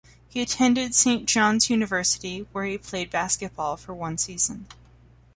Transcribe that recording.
He attended Saint John's University, where he played basketball for one season.